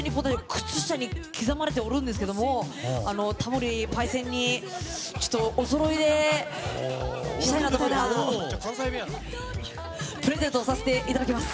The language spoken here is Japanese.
靴下に刻まれているんですがタモリパイセンにおそろいでしたいなとプレゼントさせていただきます。